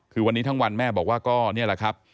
คือวันนี้ทั้งวันแม่บอกว่าก็นี่แหละครับ